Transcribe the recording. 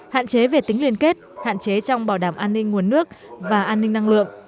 hạn chế về tính liên kết hạn chế trong bảo đảm an ninh nguồn nước và an ninh năng lượng